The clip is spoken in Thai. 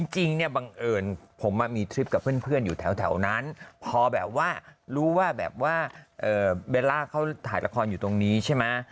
จริงเนี่ยบังเอิญผมมีทริปกับเพื่อนอยู่แถวนั้นพอแบบว่ารู้ว่าแบบว่าเบลล่าเขาถ่ายละครอยู่ตรงนี้ใช่ไหม